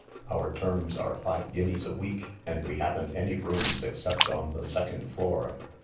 Our terms are five guineas a week, and we haven't any rooms except on the second floor."